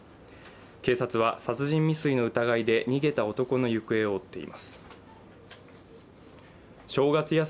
警察は殺人未遂の疑いで逃げた男の行方を追っています。